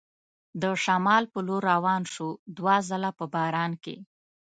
د شمال په لور روان شو، دوه ځله په باران کې.